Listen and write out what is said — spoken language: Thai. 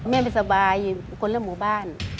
แม่ไม่สบายเป็นคนเล่นหมู่บ้าน